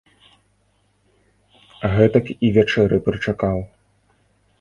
Гэтак і вячэры прычакаў.